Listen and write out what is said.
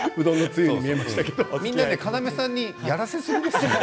みんな要さんにやらせすぎですよ